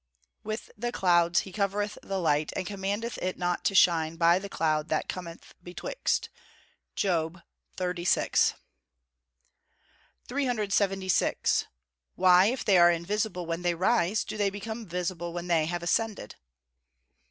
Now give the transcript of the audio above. [Verse: "With clouds he covereth the light, and commandeth it not to shine by the cloud that cometh betwixt." JOB XXXVI.] 376. _Why, if they are invisible when they rise, do they became visible when they have ascended?